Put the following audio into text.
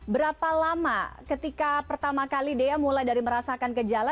berapa lama ketika pertama kali dea mulai dari merasakan gejala